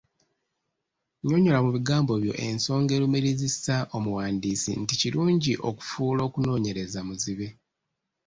Nnyonnyola mu bigambo byo ensonga erumirizisa omuwandiisi nti kirungi okufuula okunoonyereza ‘muzibe’.